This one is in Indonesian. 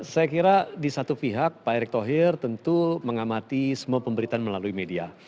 saya kira di satu pihak pak erick thohir tentu mengamati semua pemberitaan melalui media